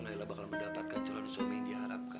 laila bakal mendapatkan jalan suami yang diharapkan